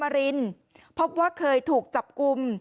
รินพบว่าเคยถูกจับกลุ่ม